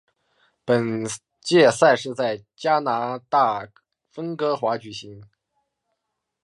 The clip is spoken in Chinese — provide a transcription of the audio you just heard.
本届赛事在加拿大温哥华举行。